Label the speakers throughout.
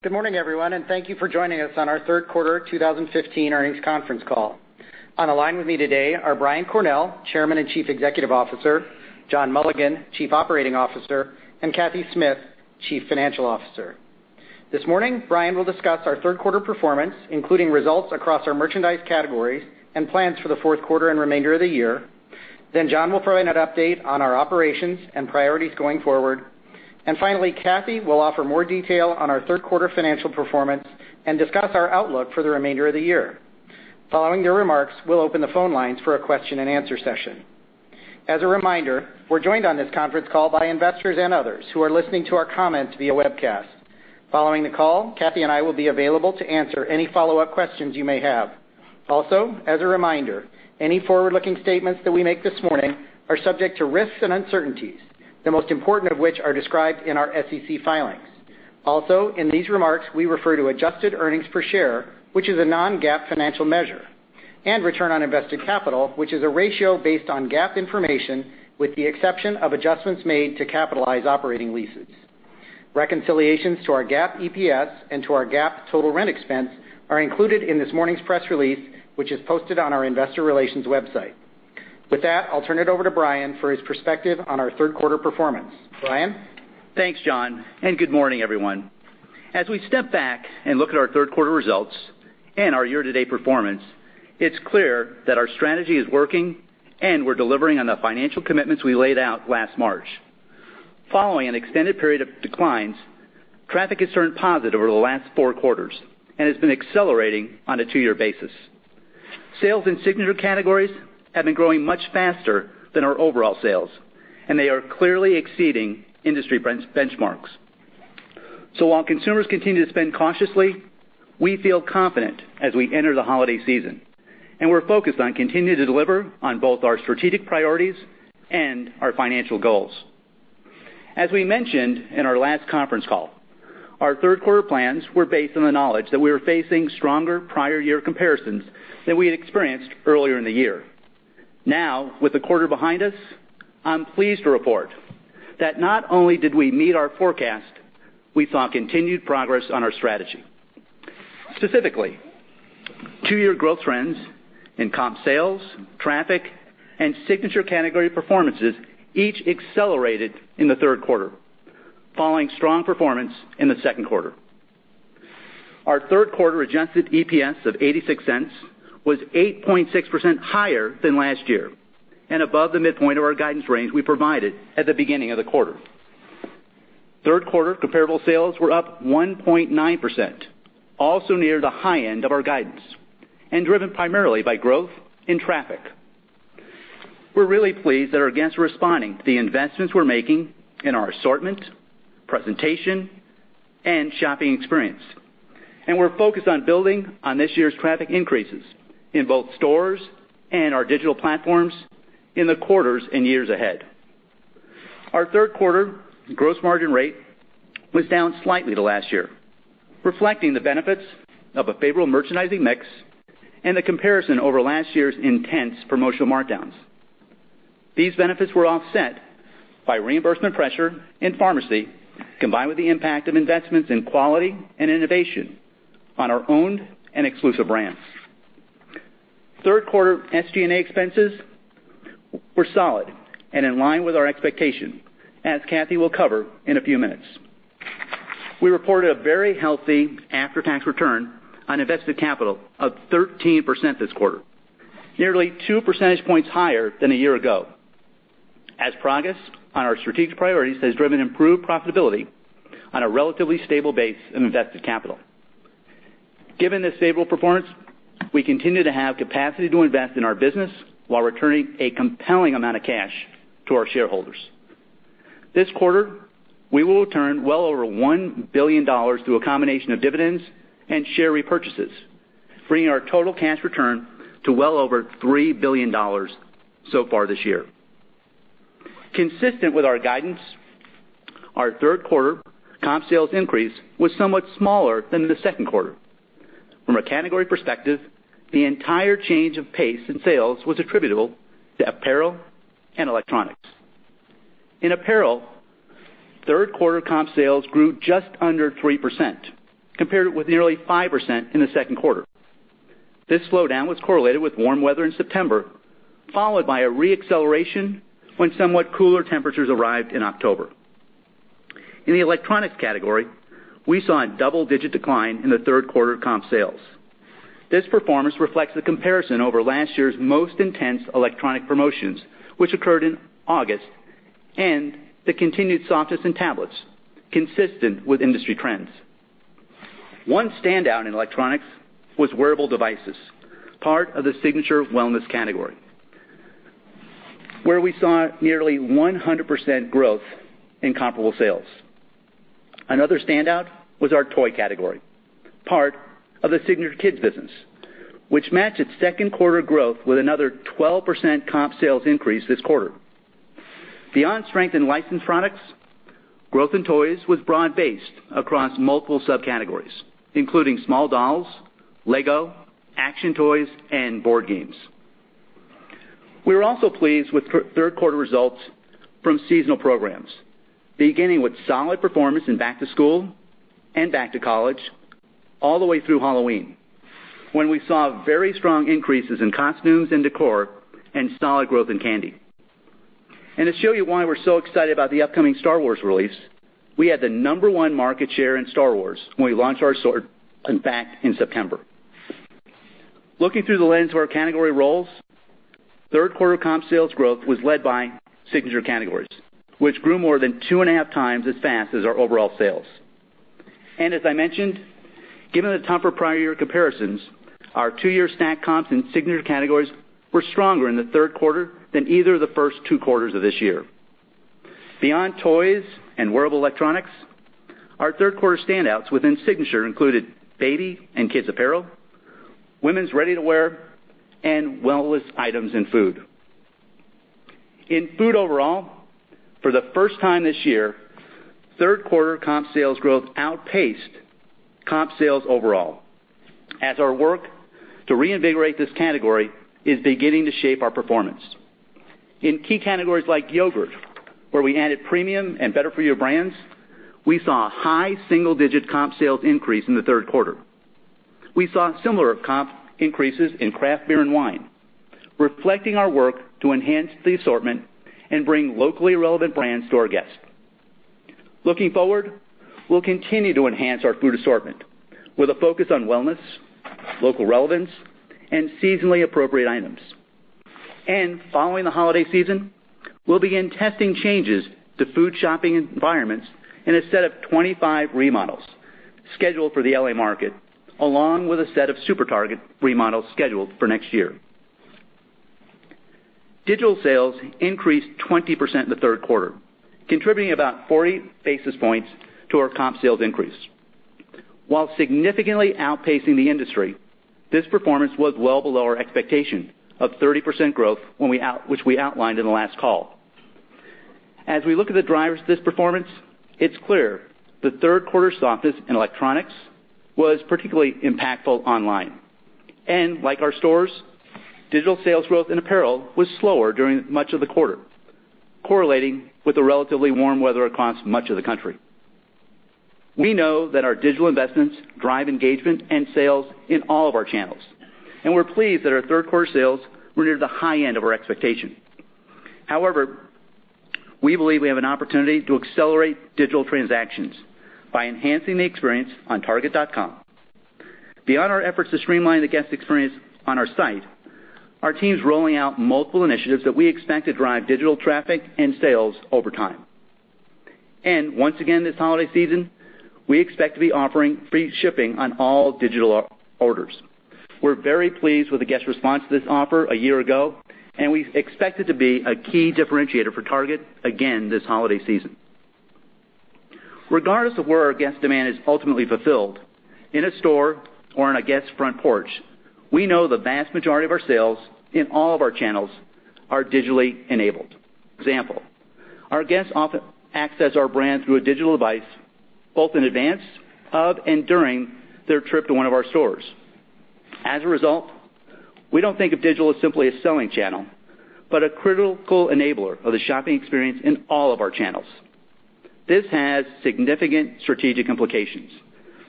Speaker 1: Good morning, everyone, thank you for joining us on our third quarter 2015 earnings conference call. On the line with me today are Brian Cornell, Chairman and Chief Executive Officer; John Mulligan, Chief Operating Officer; and Cathy Smith, Chief Financial Officer. This morning, Brian will discuss our third quarter performance, including results across our merchandise categories and plans for the fourth quarter and remainder of the year. John will provide an update on our operations and priorities going forward. Finally, Cathy will offer more detail on our third quarter financial performance and discuss our outlook for the remainder of the year. Following their remarks, we will open the phone lines for a question and answer session. As a reminder, we are joined on this conference call by investors and others who are listening to our comments via webcast.
Speaker 2: Following the call, Cathy and I will be available to answer any follow-up questions you may have. As a reminder, any forward-looking statements that we make this morning are subject to risks and uncertainties, the most important of which are described in our SEC filings. Also, in these remarks, we refer to adjusted EPS, which is a non-GAAP financial measure, and ROIC, which is a ratio based on GAAP information with the exception of adjustments made to capitalize operating leases. Reconciliations to our GAAP EPS and to our GAAP total rent expense are included in this morning's press release, which is posted on our investor relations website. With that, I will turn it over to Brian for his perspective on our third quarter performance. Brian?
Speaker 3: Thanks, John, good morning, everyone. As we step back and look at our third quarter results and our year-to-date performance, it is clear that our strategy is working, we are delivering on the financial commitments we laid out last March. Following an extended period of declines, traffic has turned positive over the last four quarters and has been accelerating on a two-year basis. Sales in signature categories have been growing much faster than our overall sales, they are clearly exceeding industry benchmarks. While consumers continue to spend cautiously, we feel confident as we enter the holiday season, we are focused on continuing to deliver on both our strategic priorities and our financial goals. As we mentioned in our last conference call, our third quarter plans were based on the knowledge that we were facing stronger prior year comparisons than we had experienced earlier in the year. Now, with the quarter behind us, I am pleased to report that not only did we meet our forecast, we saw continued progress on our strategy. Specifically, two-year growth trends in comp sales, traffic, and signature category performances each accelerated in the third quarter, following strong performance in the second quarter. Our third quarter adjusted EPS of $0.86 was 8.6% higher than last year and above the midpoint of our guidance range we provided at the beginning of the quarter. Third quarter comparable sales were up 1.9%, also near the high end of our guidance and driven primarily by growth in traffic. We are really pleased that our guests are responding to the investments we are making in our assortment, presentation, and shopping experience, we are focused on building on this year's traffic increases in both stores and our digital platforms in the quarters and years ahead. Our third quarter gross margin rate was down slightly to last year, reflecting the benefits of a favorable merchandising mix and the comparison over last year's intense promotional markdowns. These benefits were offset by reimbursement pressure in pharmacy, combined with the impact of investments in quality and innovation on our owned and exclusive brands. Third quarter SG&A expenses were solid and in line with our expectations, as Cathy will cover in a few minutes. We reported a very healthy after-tax return on invested capital of 13% this quarter, nearly 2 percentage points higher than a year ago, as progress on our strategic priorities has driven improved profitability on a relatively stable base of invested capital. Given this stable performance, we continue to have capacity to invest in our business while returning a compelling amount of cash to our shareholders. This quarter, we will return well over $1 billion through a combination of dividends and share repurchases, bringing our total cash return to well over $3 billion so far this year. Consistent with our guidance, our third quarter comp sales increase was somewhat smaller than in the second quarter. From a category perspective, the entire change of pace in sales was attributable to apparel and electronics. In apparel, third quarter comp sales grew just under 3%, compared with nearly 5% in the second quarter. This slowdown was correlated with warm weather in September, followed by a re-acceleration when somewhat cooler temperatures arrived in October. In the electronics category, we saw a double-digit decline in the third quarter comp sales. This performance reflects the comparison over last year's most intense electronic promotions, which occurred in August, and the continued softness in tablets consistent with industry trends. One standout in electronics was wearable devices, part of the signature wellness category, where we saw nearly 100% growth in comparable sales. Another standout was our toy category, part of the signature kids business, which matched its second quarter growth with another 12% comp sales increase this quarter. Beyond strength in licensed products, growth in toys was broad-based across multiple subcategories, including small dolls, LEGO, action toys, and board games. We were also pleased with third quarter results from seasonal programs, beginning with solid performance in back to school and back to college all the way through Halloween, when we saw very strong increases in costumes and decor and solid growth in candy. To show you why we're so excited about the upcoming Star Wars release, we had the number 1 market share in Star Wars when we launched our sort, in fact, in September. Looking through the lens of our category roles, third quarter comp sales growth was led by signature categories, which grew more than two and a half times as fast as our overall sales. As I mentioned, given the tougher prior year comparisons, our two-year stack comps and signature categories were stronger in the third quarter than either of the first two quarters of this year. Beyond toys and wearable electronics, our third quarter standouts within signature included baby and kids apparel, women's ready-to-wear, and wellness items and food. In food overall, for the first time this year, third quarter comp sales growth outpaced comp sales overall, as our work to reinvigorate this category is beginning to shape our performance. In key categories like yogurt, where we added premium and better-for-you brands, we saw high single-digit comp sales increase in the third quarter. We saw similar comp increases in craft beer and wine, reflecting our work to enhance the assortment and bring locally relevant brands to our guests. Looking forward, we'll continue to enhance our food assortment with a focus on wellness, local relevance, and seasonally appropriate items. Following the holiday season, we'll begin testing changes to food shopping environments in a set of 25 remodels scheduled for the L.A. market, along with a set of SuperTarget remodels scheduled for next year. Digital sales increased 20% in the third quarter, contributing about 40 basis points to our comp sales increase. While significantly outpacing the industry, this performance was well below our expectation of 30% growth which we outlined in the last call. As we look at the drivers of this performance, it's clear the third quarter softness in electronics was particularly impactful online. Like our stores, digital sales growth in apparel was slower during much of the quarter, correlating with the relatively warm weather across much of the country. We know that our digital investments drive engagement and sales in all of our channels, and we're pleased that our third quarter sales were near the high end of our expectation. However, we believe we have an opportunity to accelerate digital transactions by enhancing the experience on target.com. Beyond our efforts to streamline the guest experience on our site, our team's rolling out multiple initiatives that we expect to drive digital traffic and sales over time. Once again this holiday season, we expect to be offering free shipping on all digital orders. We're very pleased with the guest response to this offer a year ago, and we expect it to be a key differentiator for Target again this holiday season. Regardless of where our guest demand is ultimately fulfilled, in a store or on a guest front porch, we know the vast majority of our sales in all of our channels are digitally enabled. For example, our guests often access our brand through a digital device, both in advance of and during their trip to one of our stores. As a result, we don't think of digital as simply a selling channel, but a critical enabler of the shopping experience in all of our channels. This has significant strategic implications,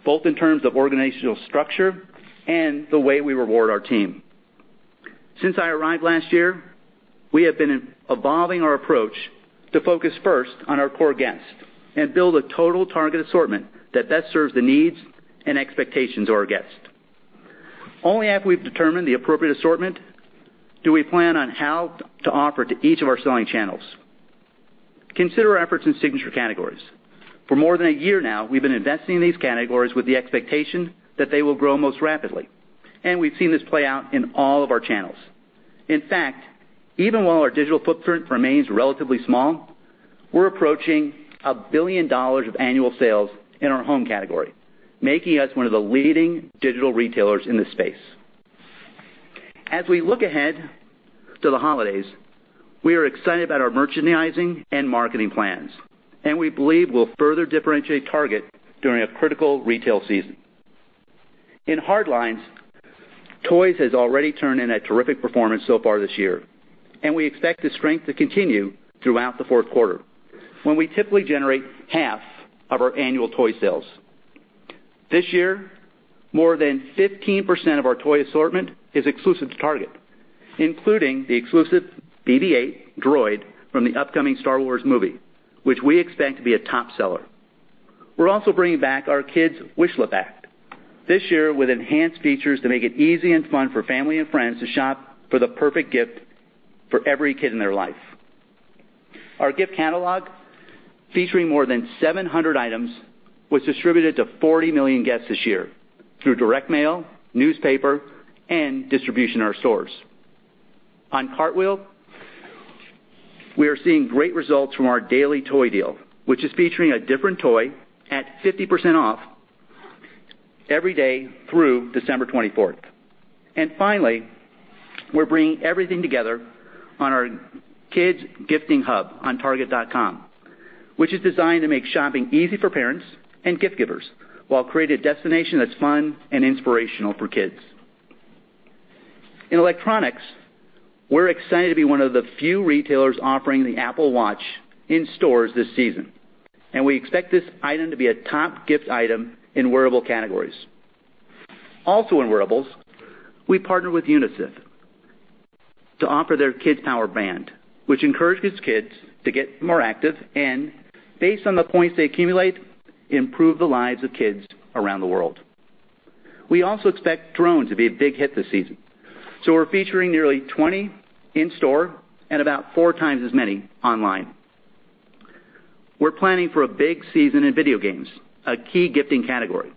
Speaker 3: both in terms of organizational structure and the way we reward our team. Since I arrived last year, we have been evolving our approach to focus first on our core guests and build a total Target assortment that best serves the needs and expectations of our guests. Only after we've determined the appropriate assortment do we plan on how to offer to each of our selling channels. Consider our efforts in signature categories. For more than a year now, we've been investing in these categories with the expectation that they will grow most rapidly, and we've seen this play out in all of our channels. In fact, even while our digital footprint remains relatively small, we're approaching $1 billion of annual sales in our home category, making us one of the leading digital retailers in the space. As we look ahead to the holidays, we are excited about our merchandising and marketing plans, we believe we'll further differentiate Target during a critical retail season. In hard lines, toys has already turned in a terrific performance so far this year, and we expect the strength to continue throughout the fourth quarter, when we typically generate half of our annual toy sales. This year, more than 15% of our toy assortment is exclusive to Target, including the exclusive BB-8 Droid from the upcoming "Star Wars" movie, which we expect to be a top seller. We're also bringing back our kids' Wish List app, this year with enhanced features to make it easy and fun for family and friends to shop for the perfect gift for every kid in their life. Our gift catalog, featuring more than 700 items, was distributed to 40 million guests this year through direct mail, newspaper, and distribution in our stores. On Cartwheel, we are seeing great results from our daily toy deal, which is featuring a different toy at 50% off every day through December 24th. Finally, we're bringing everything together on our kids gifting hub on target.com, which is designed to make shopping easy for parents and gift-givers, while creating a destination that's fun and inspirational for kids. In electronics, we're excited to be one of the few retailers offering the Apple Watch in stores this season, and we expect this item to be a top gift item in wearable categories. Also in wearables, we partner with UNICEF to offer their Kid Power band, which encourages kids to get more active and, based on the points they accumulate, improve the lives of kids around the world. We also expect drones to be a big hit this season. We're featuring nearly 20 in store and about four times as many online. We're planning for a big season in video games, a key gifting category,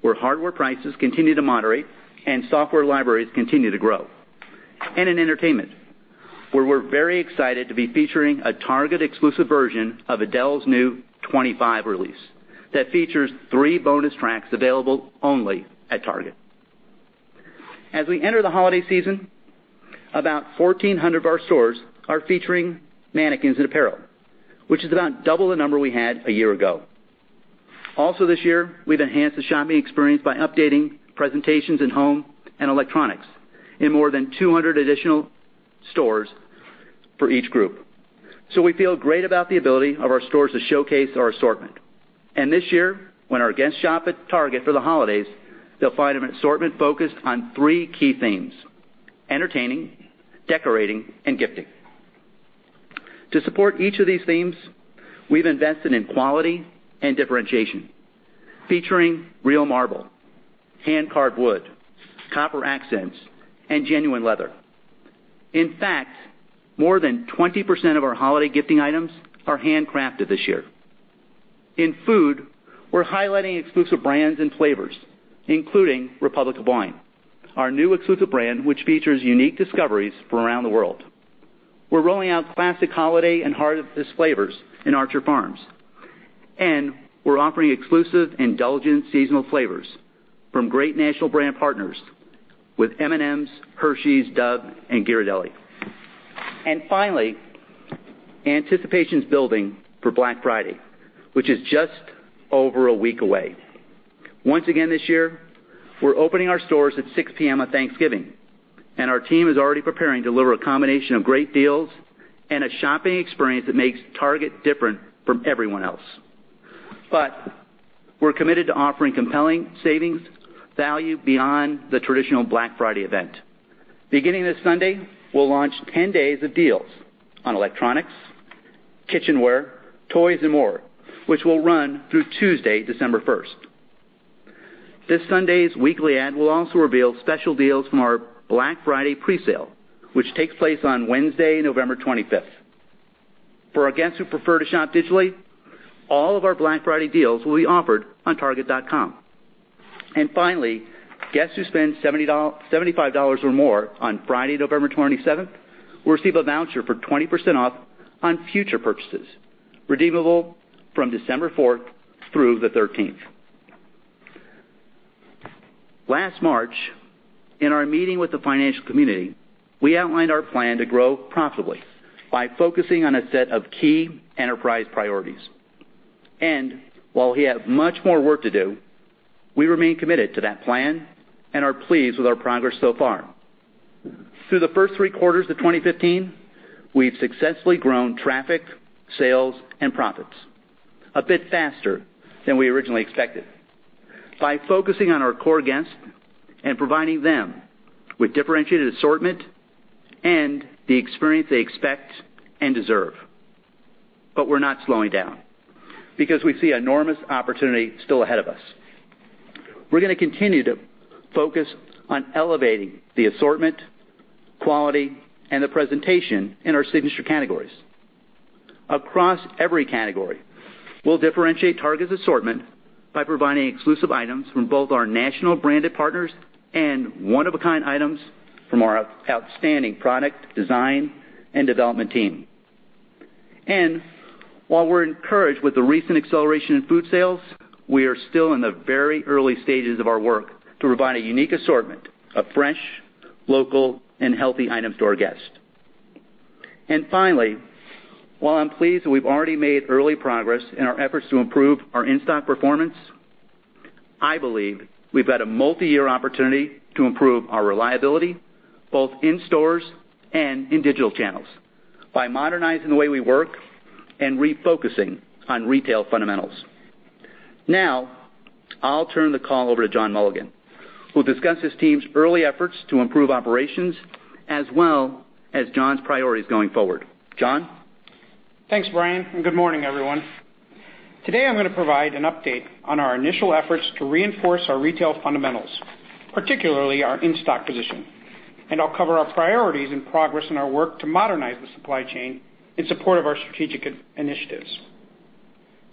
Speaker 3: where hardware prices continue to moderate and software libraries continue to grow. In entertainment, where we're very excited to be featuring a Target exclusive version of Adele's new "25" release, that features three bonus tracks available only at Target. As we enter the holiday season, about 1,400 of our stores are featuring mannequins and apparel, which is about double the number we had a year ago. Also this year, we've enhanced the shopping experience by updating presentations in home and electronics in more than 200 additional stores for each group. We feel great about the ability of our stores to showcase our assortment. This year, when our guests shop at Target for the holidays, they'll find an assortment focused on three key themes: entertaining, decorating, and gifting. To support each of these themes, we've invested in quality and differentiation, featuring real marble, hand-carved wood, copper accents, and genuine leather. In fact, more than 20% of our holiday gifting items are handcrafted this year. In food, we're highlighting exclusive brands and flavors, including Republic of Wine, our new exclusive brand, which features unique discoveries from around the world. We're rolling out classic holiday and holiday-esque flavors in Archer Farms, and we're offering exclusive indulgent seasonal flavors from great national brand partners with M&M's, Hershey's, Dove, and Ghirardelli. Finally, anticipation's building for Black Friday, which is just over a week away. Once again this year, we're opening our stores at 6:00 P.M. on Thanksgiving. Our team is already preparing to deliver a combination of great deals and a shopping experience that makes Target different from everyone else. We're committed to offering compelling savings value beyond the traditional Black Friday event. Beginning this Sunday, we'll launch 10 days of deals on electronics, kitchenware, toys, and more, which will run through Tuesday, December 1st. This Sunday's weekly ad will also reveal special deals from our Black Friday pre-sale, which takes place on Wednesday, November 25th. For our guests who prefer to shop digitally, all of our Black Friday deals will be offered on target.com. Finally, guests who spend $75 or more on Friday, November 27th, will receive a voucher for 20% off on future purchases, redeemable from December 4th through the 13th. Last March, in our meeting with the financial community, we outlined our plan to grow profitably by focusing on a set of key enterprise priorities. While we have much more work to do, we remain committed to that plan and are pleased with our progress so far. Through the first three quarters of 2015, we've successfully grown traffic, sales, and profits a bit faster than we originally expected by focusing on our core guests and providing them with differentiated assortment and the experience they expect and deserve. We're not slowing down because we see enormous opportunity still ahead of us. We're gonna continue to focus on elevating the assortment, quality, and the presentation in our signature categories. Across every category, we'll differentiate Target's assortment by providing exclusive items from both our national branded partners and one-of-a-kind items from our outstanding product design and development team. While we're encouraged with the recent acceleration in food sales, we are still in the very early stages of our work to provide a unique assortment of fresh, local, and healthy items to our guests. Finally, while I'm pleased we've already made early progress in our efforts to improve our in-stock performance, I believe we've got a multi-year opportunity to improve our reliability, both in stores and in digital channels, by modernizing the way we work and refocusing on retail fundamentals. Now, I'll turn the call over to John Mulligan, who'll discuss his team's early efforts to improve operations as well as John's priorities going forward. John?
Speaker 2: Thanks, Brian, and good morning, everyone. Today, I'm gonna provide an update on our initial efforts to reinforce our retail fundamentals, particularly our in-stock position, and I'll cover our priorities and progress in our work to modernize the supply chain in support of our strategic initiatives.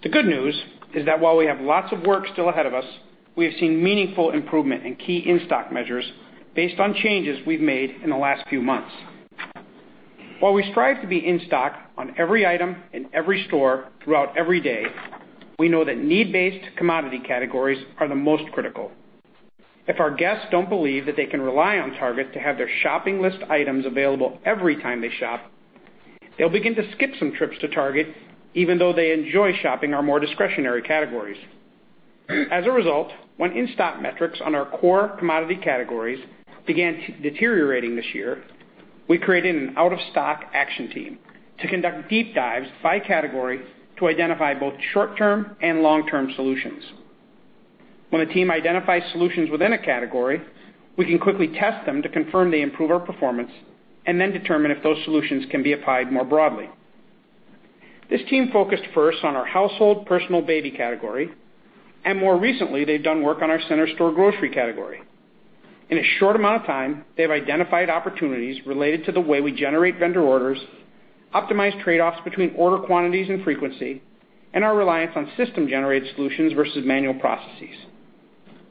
Speaker 2: The good news is that while we have lots of work still ahead of us, we have seen meaningful improvement in key in-stock measures based on changes we've made in the last few months. While we strive to be in stock on every item in every store throughout every day, we know that need-based commodity categories are the most critical. If our guests don't believe that they can rely on Target to have their shopping list items available every time they shop, they'll begin to skip some trips to Target, even though they enjoy shopping our more discretionary categories. As a result, when in-stock metrics on our core commodity categories began deteriorating this year, we created an out-of-stock action team to conduct deep dives by category to identify both short-term and long-term solutions. When a team identifies solutions within a category, we can quickly test them to confirm they improve our performance and then determine if those solutions can be applied more broadly. This team focused first on our household personal baby category, and more recently, they've done work on our center store grocery category. In a short amount of time, they've identified opportunities related to the way we generate vendor orders, optimize trade-offs between order quantities and frequency, and our reliance on system-generated solutions versus manual processes.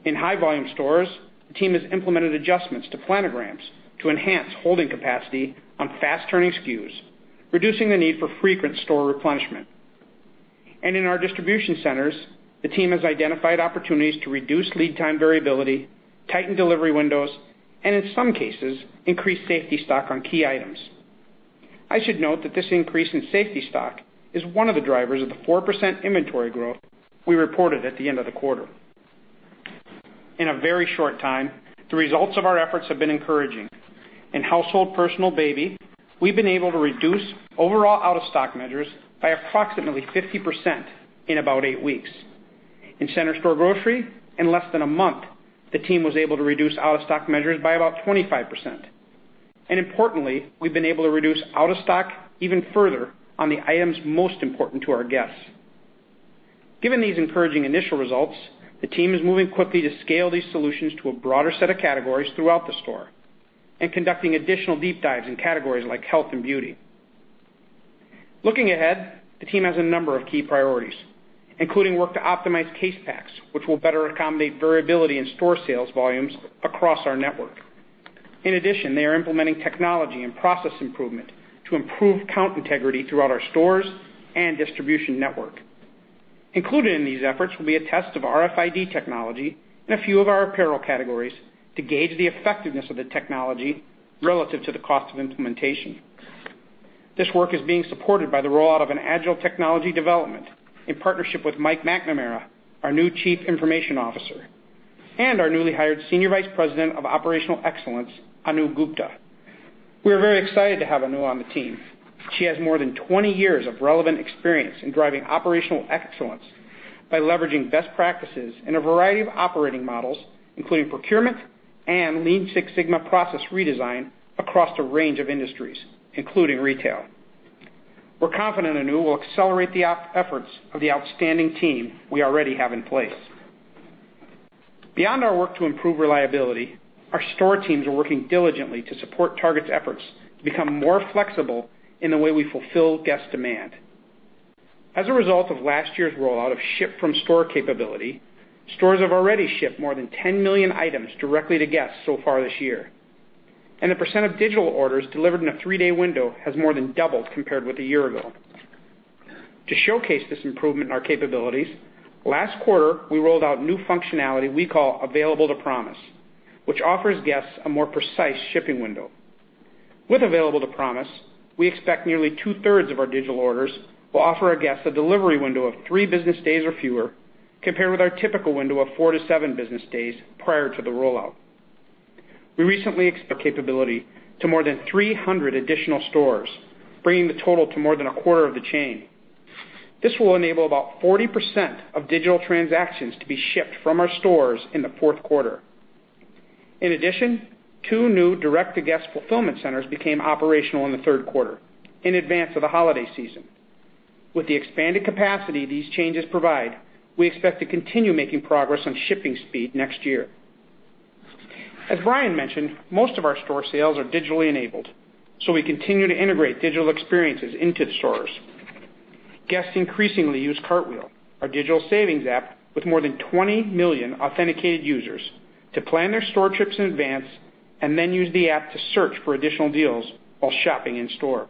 Speaker 2: In high-volume stores, the team has implemented adjustments to planograms to enhance holding capacity on fast-turning SKUs, reducing the need for frequent store replenishment. In our distribution centers, the team has identified opportunities to reduce lead time variability, tighten delivery windows, and in some cases, increase safety stock on key items. I should note that this increase in safety stock is one of the drivers of the 4% inventory growth we reported at the end of the quarter. In a very short time, the results of our efforts have been encouraging. In household personal baby, we've been able to reduce overall out-of-stock measures by approximately 50% in about eight weeks. In center store grocery, in less than a month, the team was able to reduce out-of-stock measures by about 25%. Importantly, we've been able to reduce out-of-stock even further on the items most important to our guests. Given these encouraging initial results, the team is moving quickly to scale these solutions to a broader set of categories throughout the store and conducting additional deep dives in categories like health and beauty. Looking ahead, the team has a number of key priorities, including work to optimize case packs, which will better accommodate variability in store sales volumes across our network. In addition, they are implementing technology and process improvement to improve count integrity throughout our stores and distribution network. Included in these efforts will be a test of RFID technology in a few of our apparel categories to gauge the effectiveness of the technology relative to the cost of implementation. This work is being supported by the rollout of an agile technology development in partnership with Mike McNamara, our new Chief Information Officer, and our newly hired Senior Vice President of Operational Excellence, Anu Gupta. We are very excited to have Anu on the team. She has more than 20 years of relevant experience in driving operational excellence by leveraging best practices in a variety of operating models, including procurement and Lean Six Sigma process redesign across a range of industries, including retail. We're confident Anu will accelerate the efforts of the outstanding team we already have in place. Beyond our work to improve reliability, our store teams are working diligently to support Target's efforts to become more flexible in the way we fulfill guest demand. As a result of last year's rollout of ship-from-store capability, stores have already shipped more than 10 million items directly to guests so far this year. The percent of digital orders delivered in a three-day window has more than doubled compared with a year ago. To showcase this improvement in our capabilities, last quarter, we rolled out new functionality we call Available to Promise, which offers guests a more precise shipping window. With Available to Promise, we expect nearly two-thirds of our digital orders will offer our guests a delivery window of three business days or fewer, compared with our typical window of 4-7 business days prior to the rollout. We recently expanded the capability to more than 300 additional stores, bringing the total to more than a quarter of the chain. This will enable about 40% of digital transactions to be shipped from our stores in the fourth quarter. In addition, two new direct-to-guest fulfillment centers became operational in the third quarter in advance of the holiday season. With the expanded capacity these changes provide, we expect to continue making progress on shipping speed next year. As Brian mentioned, most of our store sales are digitally enabled, so we continue to integrate digital experiences into the stores. Guests increasingly use Cartwheel, our digital savings app, with more than 20 million authenticated users to plan their store trips in advance and then use the app to search for additional deals while shopping in store.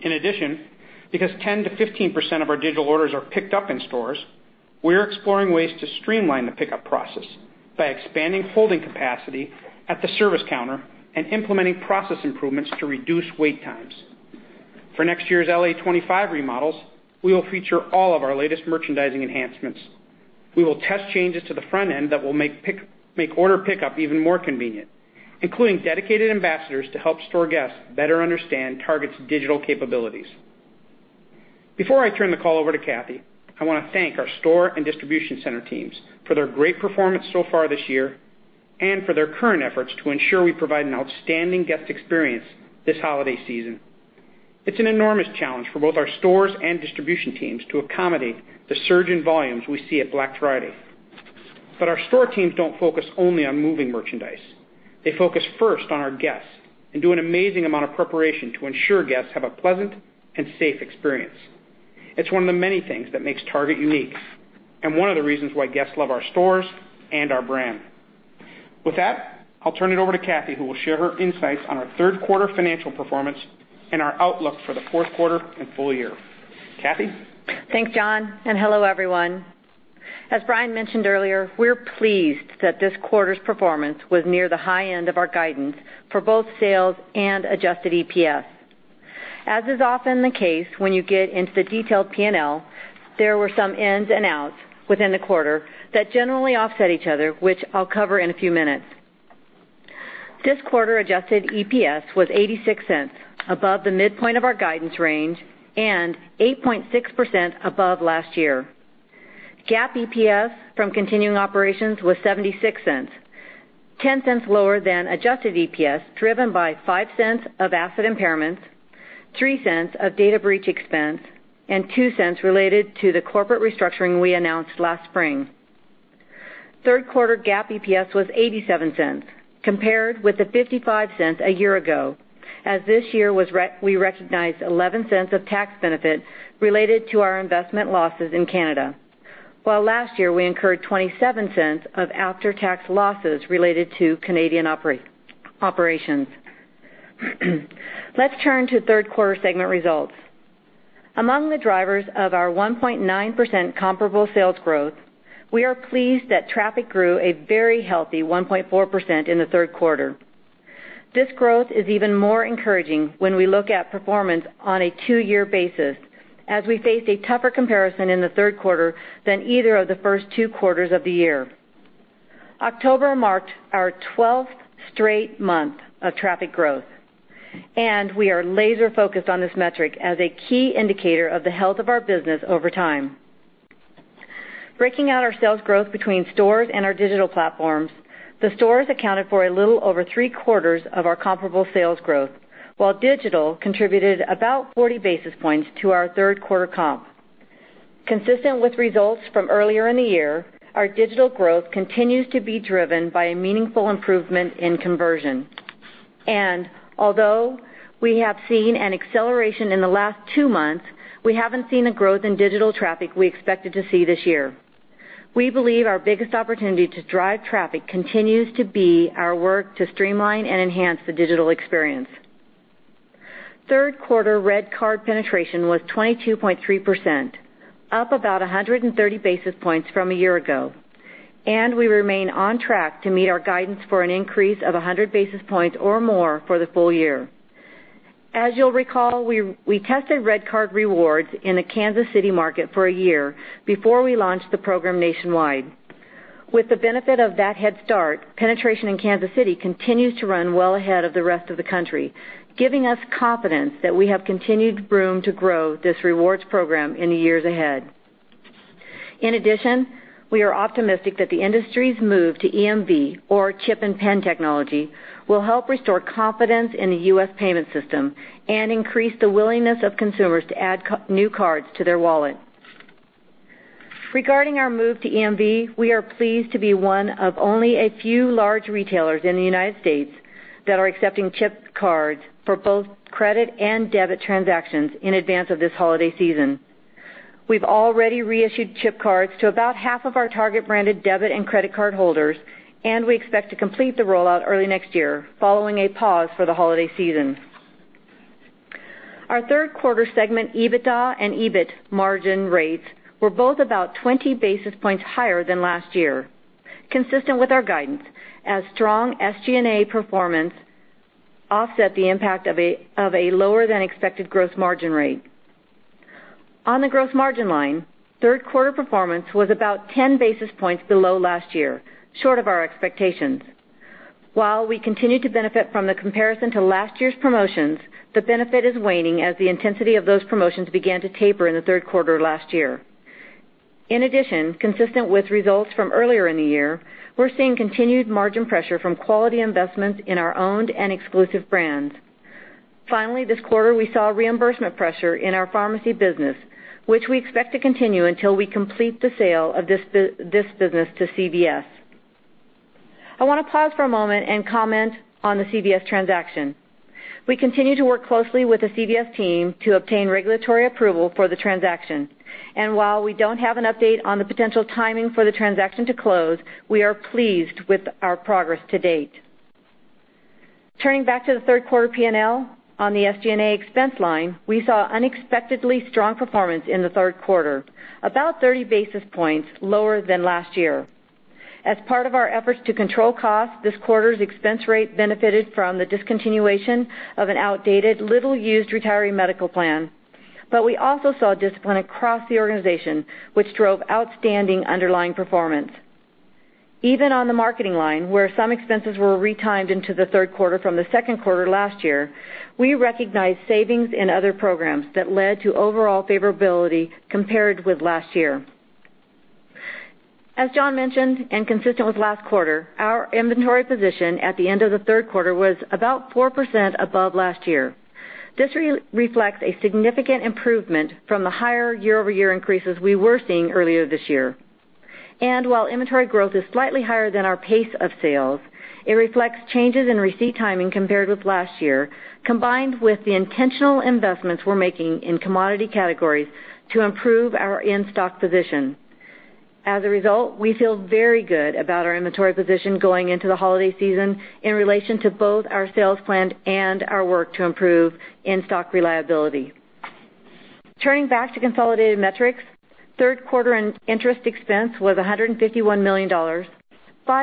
Speaker 2: In addition, because 10%-15% of our digital orders are picked up in stores, we're exploring ways to streamline the pickup process by expanding holding capacity at the service counter and implementing process improvements to reduce wait times. For next year's LA25 remodels, we will feature all of our latest merchandising enhancements. We will test changes to the front end that will make order pickup even more convenient, including dedicated ambassadors to help store guests better understand Target's digital capabilities. Before I turn the call over to Cathy, I want to thank our store and distribution center teams for their great performance so far this year and for their current efforts to ensure we provide an outstanding guest experience this holiday season. It's an enormous challenge for both our stores and distribution teams to accommodate the surge in volumes we see at Black Friday. But our store teams don't focus only on moving merchandise. They focus first on our guests and do an amazing amount of preparation to ensure guests have a pleasant and safe experience. It's one of the many things that makes Target unique and one of the reasons why guests love our stores and our brand. With that, I'll turn it over to Cathy, who will share her insights on our third quarter financial performance and our outlook for the fourth quarter and full year. Cathy?
Speaker 4: Thanks, John, and hello, everyone. As Brian mentioned earlier, we're pleased that this quarter's performance was near the high end of our guidance for both sales and adjusted EPS. As is often the case, when you get into the detailed P&L, there were some ins and outs within the quarter that generally offset each other, which I'll cover in a few minutes. This quarter, adjusted EPS was $0.86, above the midpoint of our guidance range and 8.6% above last year. GAAP EPS from continuing operations was $0.76, $0.10 lower than adjusted EPS, driven by $0.05 of asset impairments, $0.03 of data breach expense, and $0.02 related to the corporate restructuring we announced last spring. Third quarter GAAP EPS was $0.87 compared with $0.55 a year ago, as this year, we recognized $0.11 of tax benefit related to our investment losses in Canada. While last year, we incurred $0.27 of after-tax losses related to Canadian operations. Let's turn to third quarter segment results. Among the drivers of our 1.9% comparable sales growth, we are pleased that traffic grew a very healthy 1.4% in the third quarter. This growth is even more encouraging when we look at performance on a two-year basis, as we face a tougher comparison in the third quarter than either of the first two quarters of the year. October marked our 12th straight month of traffic growth. We are laser-focused on this metric as a key indicator of the health of our business over time. Breaking out our sales growth between stores and our digital platforms, the stores accounted for a little over three-quarters of our comparable sales growth, while digital contributed about 40 basis points to our third quarter comp. Consistent with results from earlier in the year, our digital growth continues to be driven by a meaningful improvement in conversion. Although we have seen an acceleration in the last two months, we haven't seen a growth in digital traffic we expected to see this year. We believe our biggest opportunity to drive traffic continues to be our work to streamline and enhance the digital experience. Third quarter RedCard penetration was 22.3%, up about 130 basis points from a year ago. We remain on track to meet our guidance for an increase of 100 basis points or more for the full year. As you'll recall, we tested RedCard rewards in the Kansas City market for a year before we launched the program nationwide. With the benefit of that head start, penetration in Kansas City continues to run well ahead of the rest of the country, giving us confidence that we have continued room to grow this rewards program in the years ahead. In addition, we are optimistic that the industry's move to EMV or chip and PIN technology will help restore confidence in the U.S. payment system and increase the willingness of consumers to add new cards to their wallet. Regarding our move to EMV, we are pleased to be one of only a few large retailers in the United States that are accepting chip cards for both credit and debit transactions in advance of this holiday season. We've already reissued chip cards to about half of our Target-branded debit and credit card holders. We expect to complete the rollout early next year, following a pause for the holiday season. Our third quarter segment EBITDA and EBIT margin rates were both about 20 basis points higher than last year, consistent with our guidance as strong SG&A performance offset the impact of a lower than expected gross margin rate. On the gross margin line, third quarter performance was about 10 basis points below last year, short of our expectations. While we continue to benefit from the comparison to last year's promotions, the benefit is waning as the intensity of those promotions began to taper in the third quarter last year. In addition, consistent with results from earlier in the year, we're seeing continued margin pressure from quality investments in our owned and exclusive brands. This quarter, we saw reimbursement pressure in our pharmacy business, which we expect to continue until we complete the sale of this business to CVS. I want to pause for a moment and comment on the CVS transaction. We continue to work closely with the CVS team to obtain regulatory approval for the transaction. While we don't have an update on the potential timing for the transaction to close, we are pleased with our progress to date. Turning back to the third quarter P&L on the SG&A expense line, we saw unexpectedly strong performance in the third quarter, about 30 basis points lower than last year. As part of our efforts to control costs, this quarter's expense rate benefited from the discontinuation of an outdated, little-used retiree medical plan. We also saw discipline across the organization, which drove outstanding underlying performance. Even on the marketing line, where some expenses were retimed into the third quarter from the second quarter last year, we recognized savings in other programs that led to overall favorability compared with last year. As John mentioned, and consistent with last quarter, our inventory position at the end of the third quarter was about 4% above last year. This reflects a significant improvement from the higher year-over-year increases we were seeing earlier this year. While inventory growth is slightly higher than our pace of sales, it reflects changes in receipt timing compared with last year, combined with the intentional investments we're making in commodity categories to improve our in-stock position. As a result, we feel very good about our inventory position going into the holiday season in relation to both our sales plan and our work to improve in-stock reliability. Turning back to consolidated metrics, third quarter interest expense was $151 million, $5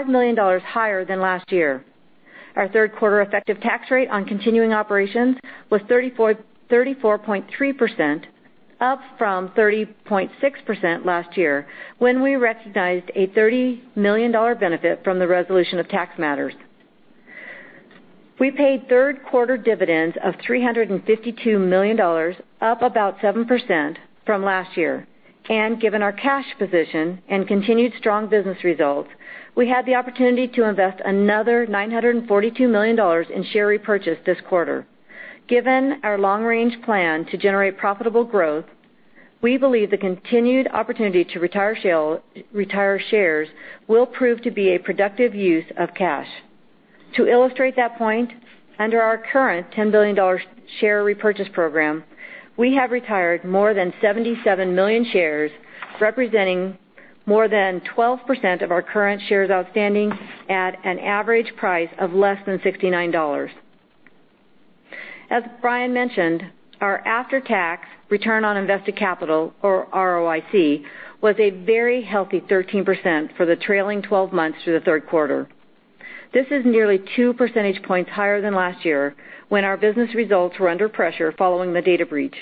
Speaker 4: million higher than last year. Our third quarter effective tax rate on continuing operations was 34.3%, up from 30.6% last year, when we recognized a $30 million benefit from the resolution of tax matters. We paid third quarter dividends of $352 million, up about 7% from last year. Given our cash position and continued strong business results, we had the opportunity to invest another $942 million in share repurchase this quarter. Given our long-range plan to generate profitable growth, we believe the continued opportunity to retire shares will prove to be a productive use of cash. To illustrate that point, under our current $10 billion share repurchase program, we have retired more than 77 million shares, representing more than 12% of our current shares outstanding at an average price of less than $69. As Brian mentioned, our after-tax return on invested capital, or ROIC, was a very healthy 13% for the trailing 12 months through the third quarter. This is nearly two percentage points higher than last year when our business results were under pressure following the data breach.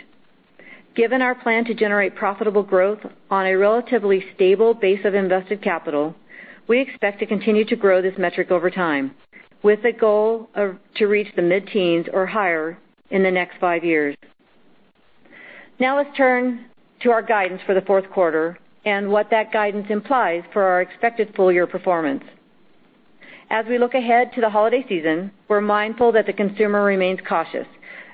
Speaker 4: Given our plan to generate profitable growth on a relatively stable base of invested capital, we expect to continue to grow this metric over time with a goal to reach the mid-teens or higher in the next five years. Let's turn to our guidance for the fourth quarter and what that guidance implies for our expected full-year performance. As we look ahead to the holiday season, we're mindful that the consumer remains cautious,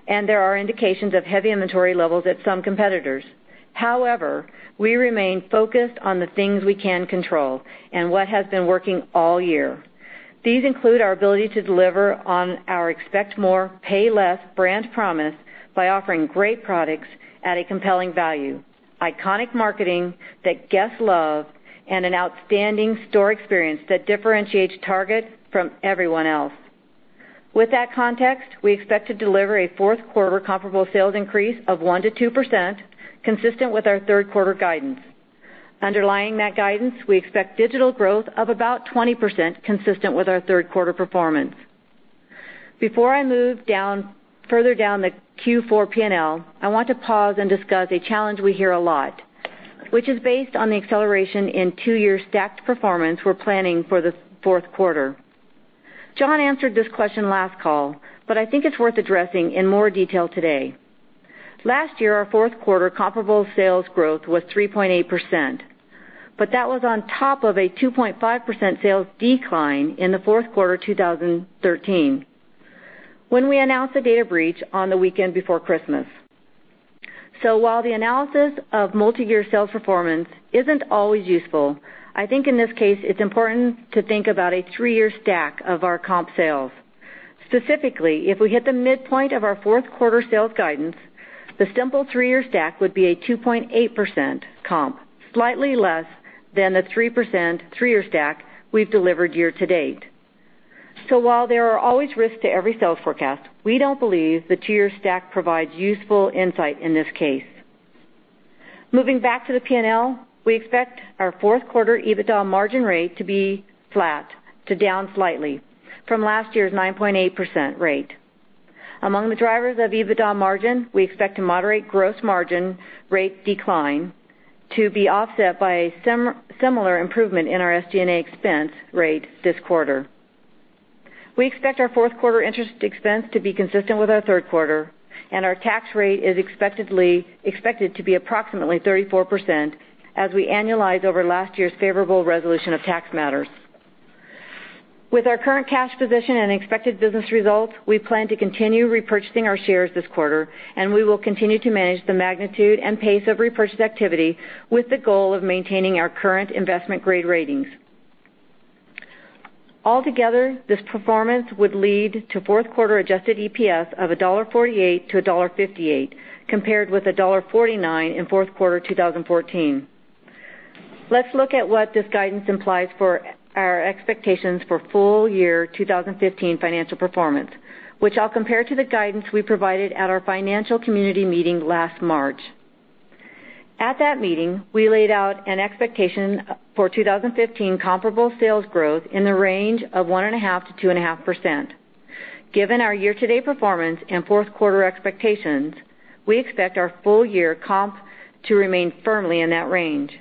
Speaker 4: there are indications of heavy inventory levels at some competitors. However, we remain focused on the things we can control and what has been working all year. These include our ability to deliver on our Expect More, Pay Less brand promise by offering great products at a compelling value, iconic marketing that guests love, and an outstanding store experience that differentiates Target from everyone else. With that context, we expect to deliver a fourth quarter comparable sales increase of 1%-2%, consistent with our third quarter guidance. Underlying that guidance, we expect digital growth of about 20%, consistent with our third quarter performance. Before I move further down the Q4 P&L, I want to pause and discuss a challenge we hear a lot, which is based on the acceleration in two-year stacked performance we're planning for the fourth quarter. John answered this question last call, but I think it's worth addressing in more detail today. Last year, our fourth quarter comparable sales growth was 3.8%, but that was on top of a 2.5% sales decline in the fourth quarter 2013 when we announced the data breach on the weekend before Christmas. While the analysis of multi-year sales performance isn't always useful, I think in this case it's important to think about a three-year stack of our comp sales. Specifically, if we hit the midpoint of our fourth quarter sales guidance, the simple three-year stack would be a 2.8% comp, slightly less than the 3% three-year stack we've delivered year-to-date. While there are always risks to every sales forecast, we don't believe the two-year stack provides useful insight in this case. Moving back to the P&L, we expect our fourth quarter EBITDA margin rate to be flat to down slightly from last year's 9.8% rate. Among the drivers of EBITDA margin, we expect to moderate gross margin rate decline to be offset by a similar improvement in our SG&A expense rate this quarter. We expect our fourth quarter interest expense to be consistent with our third quarter. Our tax rate is expected to be approximately 34% as we annualize over last year's favorable resolution of tax matters. With our current cash position and expected business results, we plan to continue repurchasing our shares this quarter. We will continue to manage the magnitude and pace of repurchase activity with the goal of maintaining our current investment-grade ratings. Altogether, this performance would lead to fourth quarter adjusted EPS of $1.48-$1.58, compared with $1.49 in fourth quarter 2014. Let's look at what this guidance implies for our expectations for full-year 2015 financial performance, which I'll compare to the guidance we provided at our financial community meeting last March. At that meeting, we laid out an expectation for 2015 comparable sales growth in the range of 1.5%-2.5%. Given our year-to-date performance and fourth quarter expectations, we expect our full-year comp to remain firmly in that range.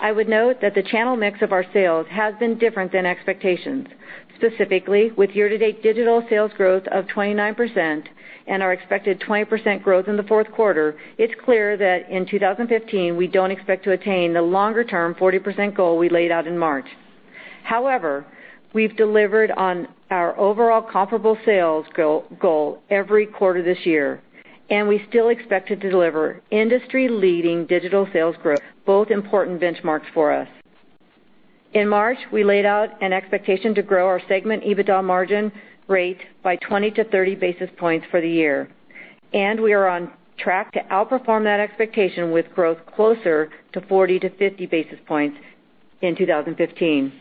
Speaker 4: I would note that the channel mix of our sales has been different than expectations, specifically, with year-to-date digital sales growth of 29% and our expected 20% growth in the fourth quarter, it's clear that in 2015, we don't expect to attain the longer-term 40% goal we laid out in March. However, we've delivered on our overall comparable sales goal every quarter this year. We still expect to deliver industry-leading digital sales growth, both important benchmarks for us. In March, we laid out an expectation to grow our segment EBITDA margin rate by 20 to 30 basis points for the year. We are on track to outperform that expectation with growth closer to 40 to 50 basis points in 2015.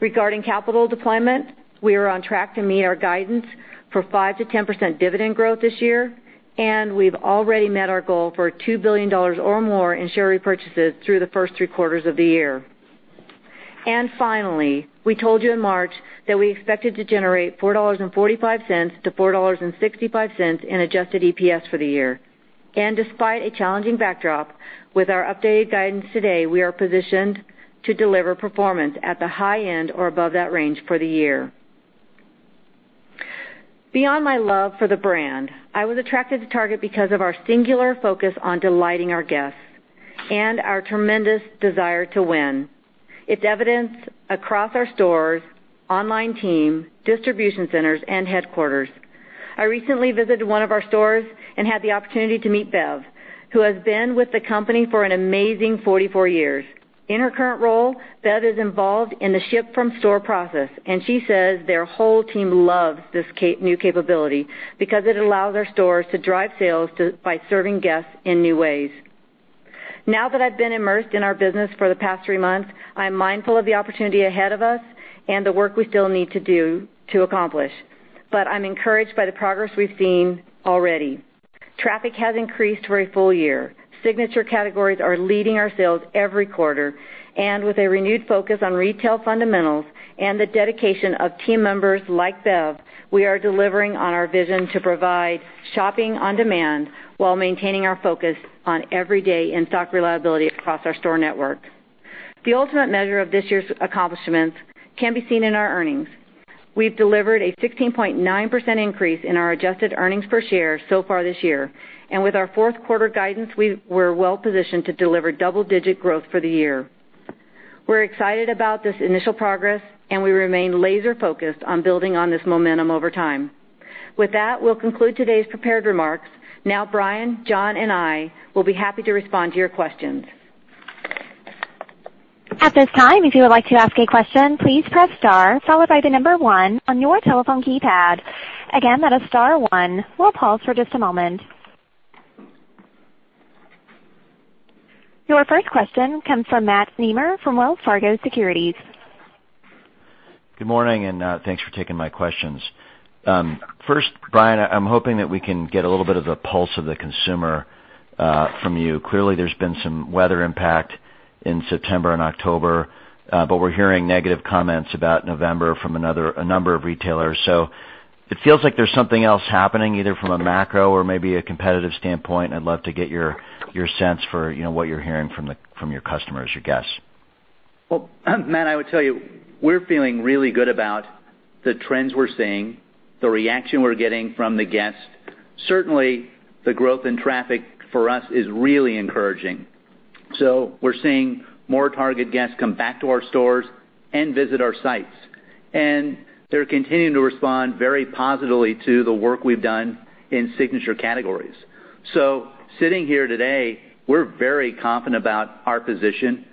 Speaker 4: Regarding capital deployment, we are on track to meet our guidance for 5%-10% dividend growth this year. We've already met our goal for $2 billion or more in share repurchases through the first three quarters of the year. Finally, we told you in March that we expected to generate $4.45-$4.65 in adjusted EPS for the year. Despite a challenging backdrop, with our updated guidance today, we are positioned to deliver performance at the high end or above that range for the year. Beyond my love for the brand, I was attracted to Target because of our singular focus on delighting our guests and our tremendous desire to win. It's evidenced across our stores, online team, distribution centers, and headquarters. I recently visited one of our stores and had the opportunity to meet Bev, who has been with the company for an amazing 44 years. In her current role, Bev is involved in the ship-from-store process. She says their whole team loves this new capability because it allows our stores to drive sales by serving guests in new ways. Now that I've been immersed in our business for the past three months, I'm mindful of the opportunity ahead of us and the work we still need to do to accomplish. I'm encouraged by the progress we've seen already. Traffic has increased for a full year. Signature categories are leading our sales every quarter. With a renewed focus on retail fundamentals and the dedication of team members like Bev, we are delivering on our vision to provide shopping on demand while maintaining our focus on everyday in-stock reliability across our store network. The ultimate measure of this year's accomplishments can be seen in our earnings. We've delivered a 16.9% increase in our adjusted earnings per share so far this year. With our fourth quarter guidance, we're well-positioned to deliver double-digit growth for the year. We're excited about this initial progress. We remain laser-focused on building on this momentum over time. With that, we'll conclude today's prepared remarks. Brian, John, and I will be happy to respond to your questions.
Speaker 1: At this time, if you would like to ask a question, please press star followed by the number one on your telephone keypad. Again, that is star one. We'll pause for just a moment. Your first question comes from Matt Nemer from Wells Fargo Securities.
Speaker 5: Good morning, and thanks for taking my questions. First, Brian, I'm hoping that we can get a little bit of the pulse of the consumer from you. Clearly, there's been some weather impact in September and October. We're hearing negative comments about November from a number of retailers. It feels like there's something else happening, either from a macro or maybe a competitive standpoint. I'd love to get your sense for what you're hearing from your customers, your guests.
Speaker 3: Well, Matt, I would tell you, we're feeling really good about the trends we're seeing, the reaction we're getting from the guests. Certainly, the growth in traffic for us is really encouraging. We're seeing more Target guests come back to our stores and visit our sites. They're continuing to respond very positively to the work we've done in signature categories. Sitting here today, we're very confident about our position.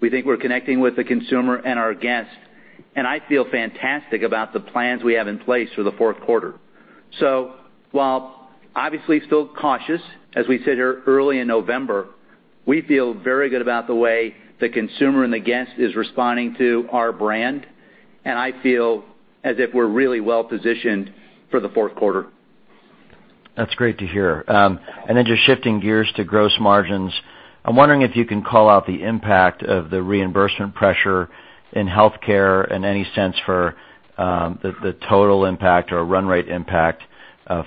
Speaker 3: We think we're connecting with the consumer and our guests, and I feel fantastic about the plans we have in place for the fourth quarter. While obviously still cautious, as we sit here early in November, we feel very good about the way the consumer and the guest is responding to our brand. I feel as if we're really well-positioned for the fourth quarter.
Speaker 5: That's great to hear. Just shifting gears to gross margins. I'm wondering if you can call out the impact of the reimbursement pressure in healthcare and any sense for the total impact or run rate impact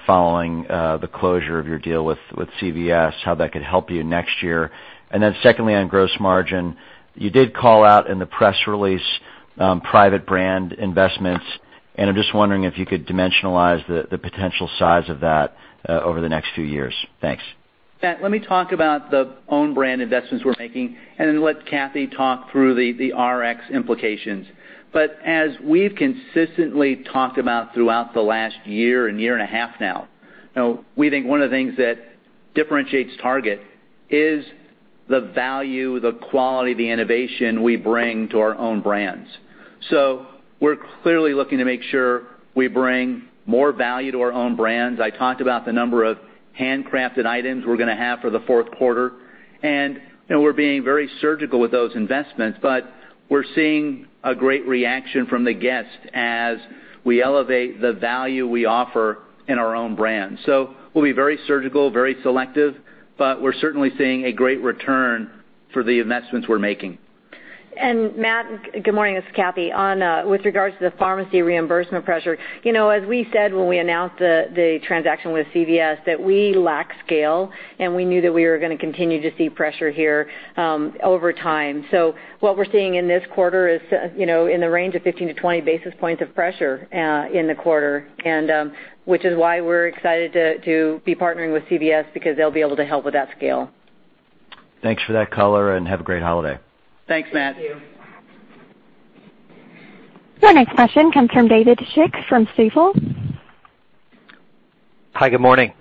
Speaker 5: following the closure of your deal with CVS, how that could help you next year. Secondly, on gross margin, you did call out in the press release private brand investments, and I'm just wondering if you could dimensionalize the potential size of that over the next few years. Thanks.
Speaker 3: Matt, let me talk about the own brand investments we're making and then let Cathy talk through the RX implications. As we've consistently talked about throughout the last year and year and a half now, we think one of the things that differentiates Target is the value, the quality, the innovation we bring to our own brands. We're clearly looking to make sure we bring more value to our own brands. I talked about the number of handcrafted items we're going to have for the fourth quarter, and we're being very surgical with those investments, but we're seeing a great reaction from the guests as we elevate the value we offer in our own brands. We'll be very surgical, very selective, but we're certainly seeing a great return for the investments we're making. Matt, good morning. It's Cathy.
Speaker 4: With regards to the pharmacy reimbursement pressure, as we said when we announced the transaction with CVS, that we lack scale, and we knew that we were going to continue to see pressure here over time. What we're seeing in this quarter is in the range of 15-20 basis points of pressure in the quarter. Which is why we're excited to be partnering with CVS because they'll be able to help with that scale.
Speaker 5: Thanks for that color. Have a great holiday.
Speaker 3: Thanks, Matt. Thank you.
Speaker 1: Your next question comes from David Schick from Stifel.
Speaker 6: Hi, good morning.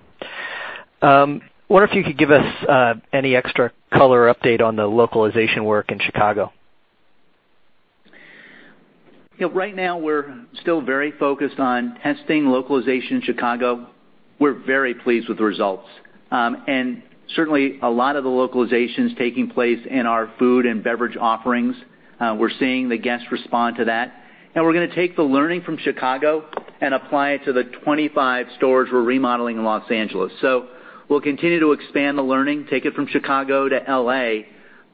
Speaker 6: Wonder if you could give us any extra color update on the localization work in Chicago.
Speaker 3: Right now, we're still very focused on testing localization in Chicago. We're very pleased with the results. Certainly, a lot of the localization's taking place in our food and beverage offerings. We're seeing the guests respond to that. We're going to take the learning from Chicago and apply it to the 25 stores we're remodeling in Los Angeles. We'll continue to expand the learning, take it from Chicago to L.A.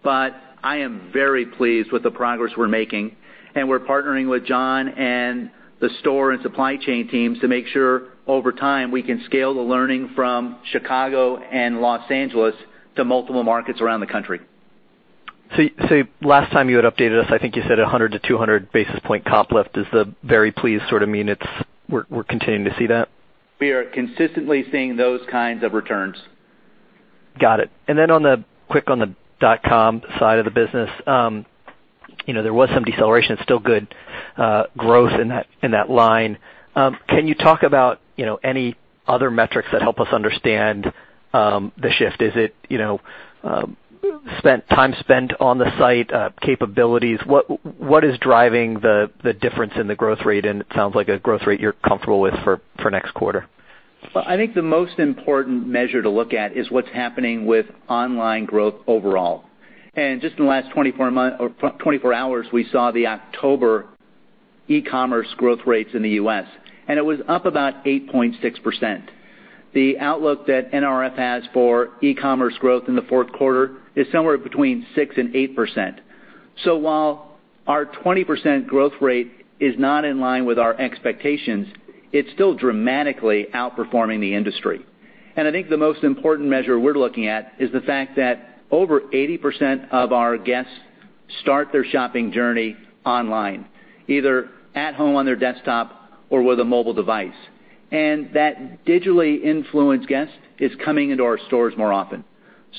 Speaker 3: I am very pleased with the progress we're making, and we're partnering with John and the store and supply chain teams to make sure over time we can scale the learning from Chicago and Los Angeles to multiple markets around the country.
Speaker 6: Last time you had updated us, I think you said 100 to 200 basis point comp lift. Does the very pleased sort of mean we're continuing to see that?
Speaker 3: We are consistently seeing those kinds of returns.
Speaker 6: Got it. Quick on the dotcom side of the business. There was some deceleration. It is still good growth in that line. Can you talk about any other metrics that help us understand the shift? Is it time spent on the site, capabilities? What is driving the difference in the growth rate? It sounds like a growth rate you are comfortable with for next quarter.
Speaker 3: Well, I think the most important measure to look at is what is happening with online growth overall. Just in the last 24 hours, we saw the October e-commerce growth rates in the U.S., and it was up about 8.6%. The outlook that NRF has for e-commerce growth in the fourth quarter is somewhere between 6% and 8%. While our 20% growth rate is not in line with our expectations, it is still dramatically outperforming the industry. I think the most important measure we are looking at is the fact that over 80% of our guests start their shopping journey online, either at home on their desktop or with a mobile device. That digitally influenced guest is coming into our stores more often.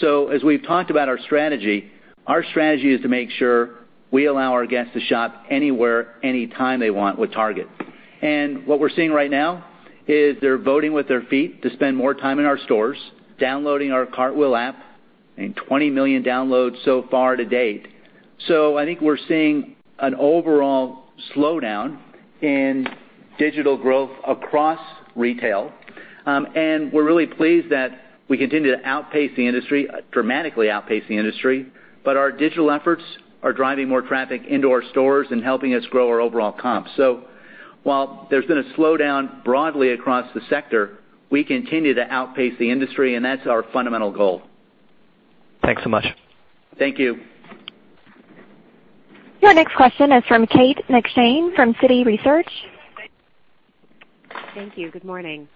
Speaker 3: As we have talked about our strategy, our strategy is to make sure we allow our guests to shop anywhere, anytime they want with Target. What we are seeing right now is they are voting with their feet to spend more time in our stores, downloading our Cartwheel app, and 20 million downloads so far to date. I think we are seeing an overall slowdown in digital growth across retail. We are really pleased that we continue to outpace the industry, dramatically outpace the industry. Our digital efforts are driving more traffic into our stores and helping us grow our overall comp. While there has been a slowdown broadly across the sector, we continue to outpace the industry, and that is our fundamental goal.
Speaker 6: Thanks so much.
Speaker 3: Thank you.
Speaker 1: Your next question is from Kate McShane from Citi Research.
Speaker 7: Thank you. Good morning.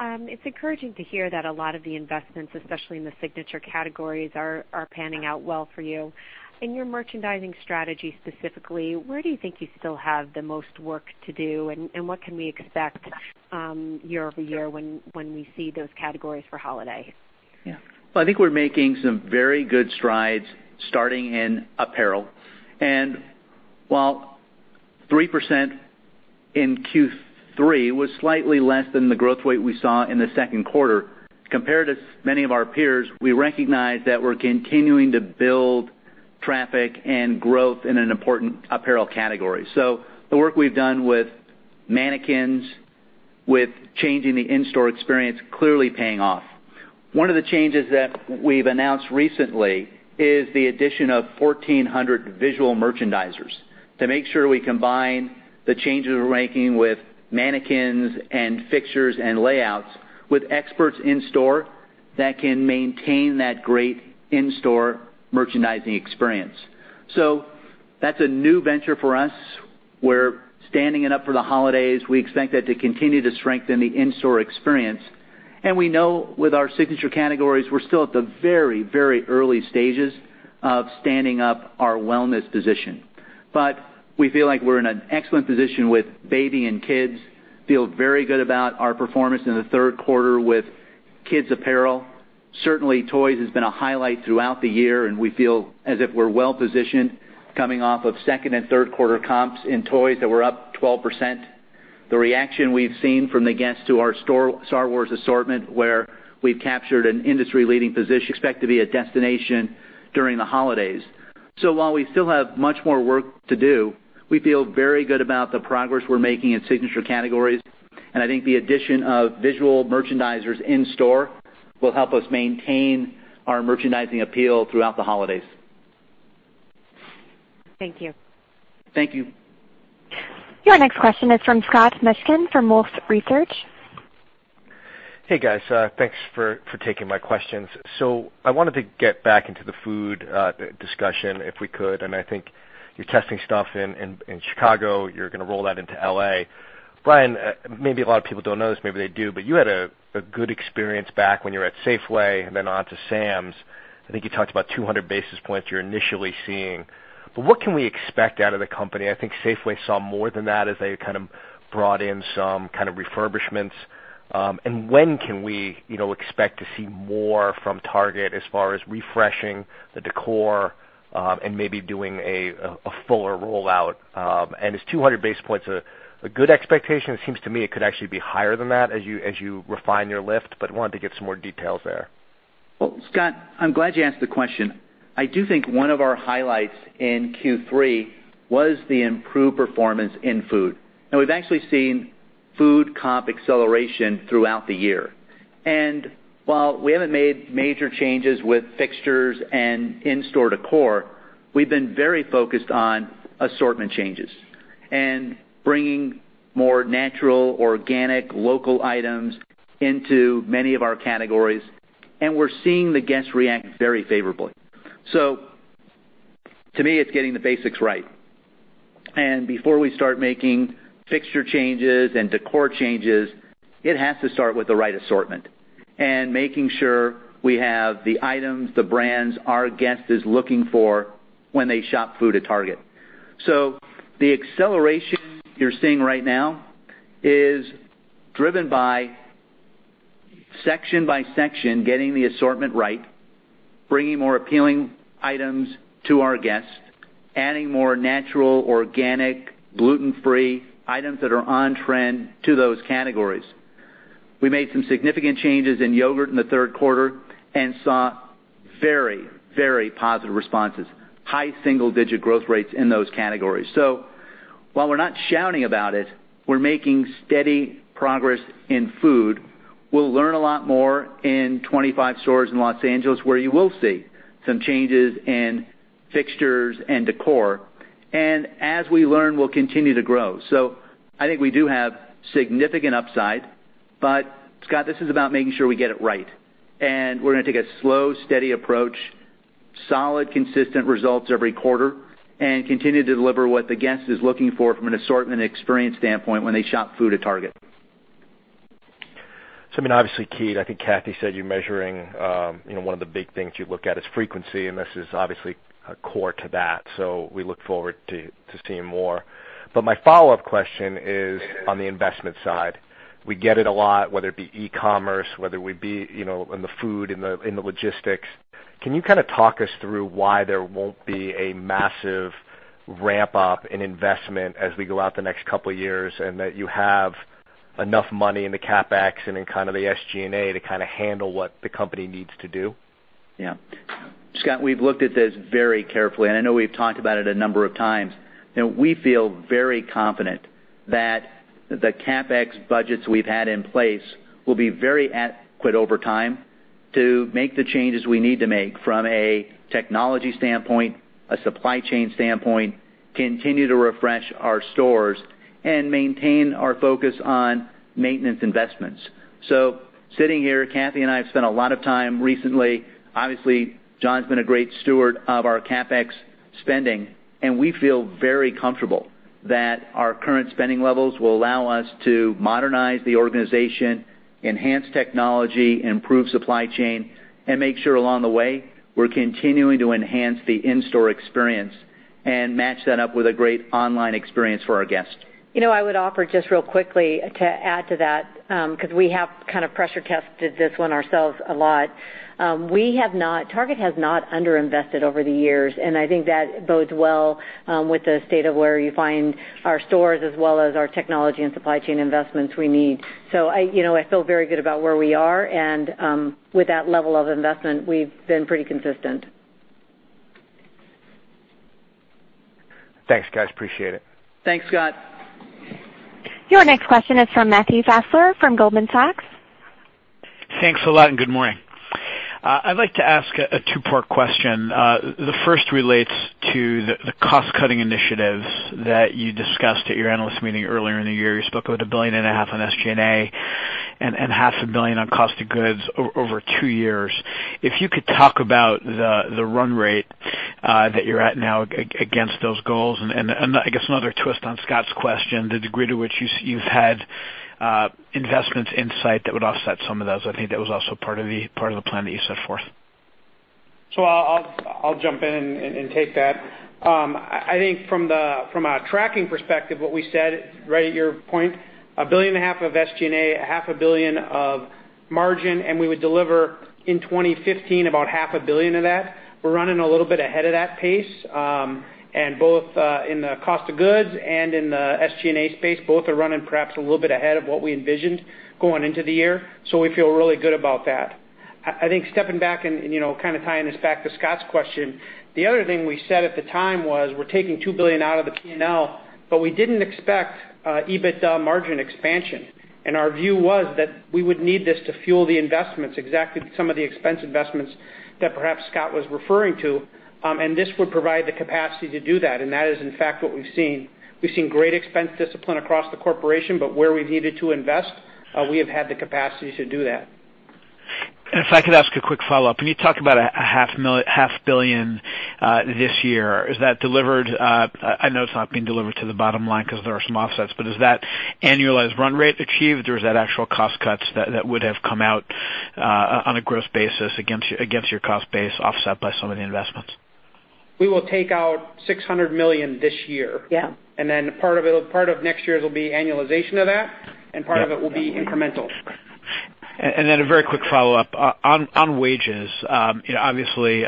Speaker 7: It's encouraging to hear that a lot of the investments, especially in the signature categories, are panning out well for you. In your merchandising strategy specifically, where do you think you still have the most work to do, and what can we expect year-over-year when we see those categories for Holiday?
Speaker 3: Yeah. Well, I think we're making some very good strides starting in apparel. While 3% in Q3 was slightly less than the growth rate we saw in the second quarter, compared to many of our peers, we recognize that we're continuing to build traffic and growth in an important apparel category. The work we've done with mannequins, with changing the in-store experience, clearly paying off. One of the changes that we've announced recently is the addition of 1,400 visual merchandisers to make sure we combine the changes we're making with mannequins and fixtures and layouts with experts in store that can maintain that great in-store merchandising experience. That's a new venture for us. We're standing it up for the Holidays. We expect that to continue to strengthen the in-store experience. We know with our signature categories, we're still at the very early stages of standing up our wellness position. We feel like we're in an excellent position with baby and kids. Feel very good about our performance in the third quarter with kids apparel. Certainly, toys has been a highlight throughout the year, and we feel as if we're well-positioned coming off of second and third quarter comps in toys that were up 12%. The reaction we've seen from the guests to our Star Wars assortment, where we've captured an industry-leading position, expect to be a destination during the holidays. While we still have much more work to do, we feel very good about the progress we're making in signature categories, and I think the addition of visual merchandisers in store will help us maintain our merchandising appeal throughout the holidays.
Speaker 7: Thank you.
Speaker 3: Thank you.
Speaker 1: Your next question is from Scott Mushkin from Wolfe Research.
Speaker 8: Hey, guys. Thanks for taking my questions. I wanted to get back into the food discussion if we could. I think you're testing stuff in Chicago. You're going to roll that into L.A. Brian, maybe a lot of people don't know this, maybe they do, but you had a good experience back when you were at Safeway and then on to Sam's. I think you talked about 200 basis points you're initially seeing. What can we expect out of the company? I think Safeway saw more than that as they kind of brought in some kind of refurbishments. When can we expect to see more from Target as far as refreshing the decor, and maybe doing a fuller rollout? Is 200 basis points a good expectation? It seems to me it could actually be higher than that as you refine your lift, wanted to get some more details there.
Speaker 3: Well, Scott, I'm glad you asked the question. I do think one of our highlights in Q3 was the improved performance in food. We've actually seen food comp acceleration throughout the year. While we haven't made major changes with fixtures and in-store decor, we've been very focused on assortment changes and bringing more natural, organic, local items into many of our categories, we're seeing the guests react very favorably. To me, it's getting the basics right. Before we start making fixture changes and decor changes, it has to start with the right assortment and making sure we have the items, the brands our guest is looking for when they shop food at Target. The acceleration you're seeing right now is driven by, section by section, getting the assortment right, bringing more appealing items to our guests, adding more natural, organic, gluten-free items that are on-trend to those categories. We made some significant changes in yogurt in the third quarter and saw very, very positive responses. High single-digit growth rates in those categories. While we're not shouting about it, we're making steady progress in food. We'll learn a lot more in 25 stores in Los Angeles, where you will see some changes in fixtures and decor. As we learn, we'll continue to grow. I think we do have significant upside. Scott, this is about making sure we get it right, and we are going to take a slow, steady approach, solid, consistent results every quarter, and continue to deliver what the guest is looking for from an assortment and experience standpoint when they shop food at Target.
Speaker 8: I mean, obviously, key is, I think Cathy said you are measuring, one of the big things you look at is frequency, and this is obviously core to that. We look forward to seeing more. My follow-up question is on the investment side. We get it a lot, whether it be e-commerce, whether it be in the food, in the logistics. Can you kind of talk us through why there won't be a massive ramp-up in investment as we go out the next couple of years, and that you have enough money in the CapEx and in kind of the SG&A to kind of handle what the company needs to do?
Speaker 3: Yeah. Scott, we have looked at this very carefully, and I know we have talked about it a number of times. We feel very confident that the CapEx budgets we have had in place will be very adequate over time to make the changes we need to make from a technology standpoint, a supply chain standpoint, continue to refresh our stores and maintain our focus on maintenance investments. Sitting here, Cathy and I have spent a lot of time recently. Obviously, John has been a great steward of our CapEx spending, and we feel very comfortable that our current spending levels will allow us to modernize the organization, enhance technology, improve supply chain, and make sure along the way, we are continuing to enhance the in-store experience and match that up with a great online experience for our guests.
Speaker 4: I would offer just real quickly to add to that, because we have kind of pressure tested this one ourselves a lot. Target has not under-invested over the years, and I think that bodes well with the state of where you find our stores as well as our technology and supply chain investments we need. I feel very good about where we are and with that level of investment, we have been pretty consistent.
Speaker 8: Thanks, guys. Appreciate it.
Speaker 3: Thanks, Scott.
Speaker 1: Your next question is from Matthew Fassler from Goldman Sachs.
Speaker 9: Thanks a lot and good morning. I'd like to ask a two-part question. The first relates to the cost-cutting initiatives that you discussed at your analyst meeting earlier in the year. You spoke about $1.5 billion on SG&A and $0.5 billion on cost of goods over two years. If you could talk about the run rate that you're at now against those goals and, I guess, another twist on Scott's question, the degree to which you've had investments in sight that would offset some of those. I think that was also part of the plan that you set forth.
Speaker 2: I'll jump in and take that. I think from a tracking perspective, what we said, right at your point, a billion and a half of SG&A, a half a billion of margin, and we would deliver in 2015 about half a billion of that. We're running a little bit ahead of that pace. Both in the cost of goods and in the SG&A space, both are running perhaps a little bit ahead of what we envisioned going into the year. We feel really good about that. I think stepping back and kind of tying this back to Scott's question, the other thing we said at the time was we're taking $2 billion out of the P&L, but we didn't expect EBITDA margin expansion.
Speaker 3: Our view was that we would need this to fuel the investments, exactly some of the expense investments that perhaps Scott was referring to, and this would provide the capacity to do that. That is, in fact, what we've seen. We've seen great expense discipline across the corporation, but where we've needed to invest, we have had the capacity to do that.
Speaker 9: If I could ask a quick follow-up. When you talk about a half billion this year, is that delivered, I know it's not being delivered to the bottom line because there are some offsets, but is that annualized run rate achieved, or is that actual cost cuts that would have come out on a gross basis against your cost base offset by some of the investments?
Speaker 2: We will take out $600 million this year.
Speaker 4: Yeah. Part of next year's will be annualization of that, and part of it will be incremental.
Speaker 9: A very quick follow-up on wages. Obviously,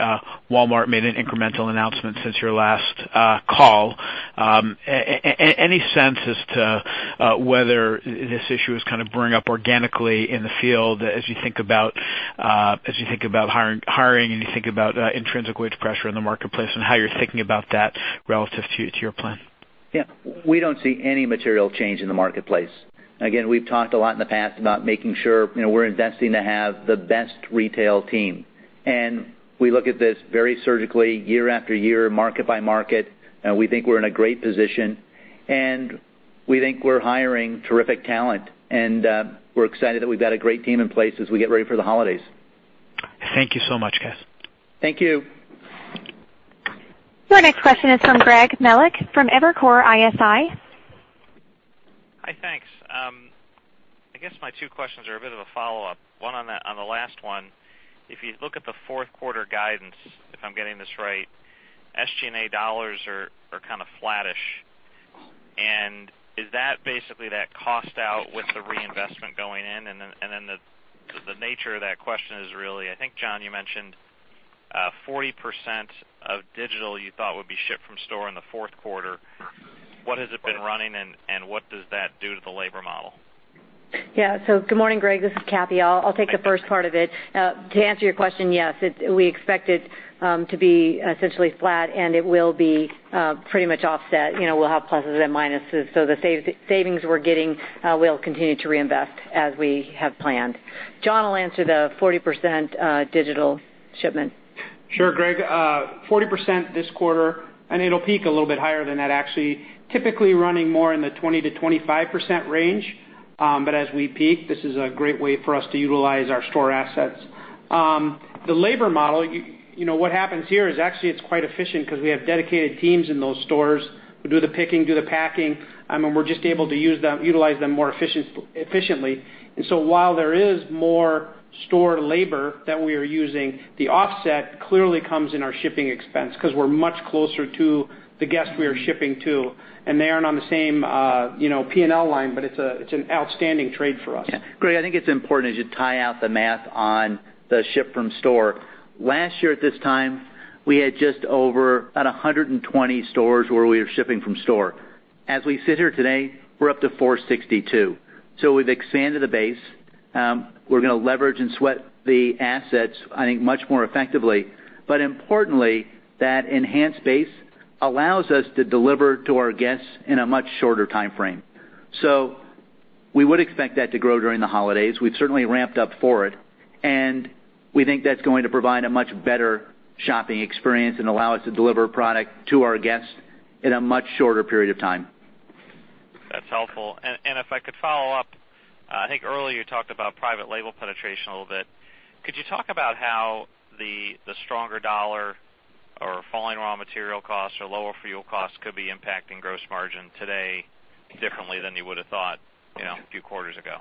Speaker 9: Walmart made an incremental announcement since your last call. Any sense as to whether this issue is kind of brewing up organically in the field as you think about hiring and you think about intrinsic wage pressure in the marketplace, and how you're thinking about that relative to your plan?
Speaker 3: Yeah. We don't see any material change in the marketplace. Again, we've talked a lot in the past about making sure we're investing to have the best retail team. We look at this very surgically year after year, market by market. We think we're in a great position, and we think we're hiring terrific talent. We're excited that we've got a great team in place as we get ready for the holidays.
Speaker 9: Thank you so much, Ken.
Speaker 3: Thank you.
Speaker 1: Your next question is from Greg Melich of Evercore ISI.
Speaker 10: Hi. Thanks. I guess my two questions are a bit of a follow-up. One on the last one. If you look at the fourth quarter guidance, if I'm getting this right, SG&A dollars are kind of flattish. Is that basically that cost out with the reinvestment going in? Then the nature of that question is really, I think, John, you mentioned 40% of digital you thought would be ship from store in the fourth quarter. What has it been running, and what does that do to the labor model?
Speaker 4: Yeah. Good morning, Greg. This is Cathy. I'll take the first part of it. To answer your question, yes, we expect it to be essentially flat, and it will be pretty much offset. We'll have pluses and minuses. The savings we're getting, we'll continue to reinvest as we have planned. John will answer the 40% digital shipment.
Speaker 2: Sure, Greg. 40% this quarter, it'll peak a little bit higher than that, actually. Typically running more in the 20%-25% range. As we peak, this is a great way for us to utilize our store assets. The labor model, what happens here is actually it's quite efficient because we have dedicated teams in those stores who do the picking, do the packing, and we're just able to utilize them more efficiently. While there is more store labor that we are using, the offset clearly comes in our shipping expense because we're much closer to the guests we are shipping to, and they aren't on the same P&L line, but it's an outstanding trade for us.
Speaker 3: Yeah. Greg, I think it's important as you tie out the math on the ship from store. Last year at this time, we had just over about 120 stores where we were shipping from store. As we sit here today, we're up to 462. We've expanded the base. We're going to leverage and sweat the assets, I think, much more effectively. Importantly, that enhanced base allows us to deliver to our guests in a much shorter timeframe. We would expect that to grow during the holidays. We've certainly ramped up for it, and we think that's going to provide a much better shopping experience and allow us to deliver product to our guests in a much shorter period of time.
Speaker 10: That's helpful. If I could follow up, I think earlier you talked about private label penetration a little bit. Could you talk about how the stronger dollar or falling raw material costs or lower fuel costs could be impacting gross margin today differently than you would have thought a few quarters ago?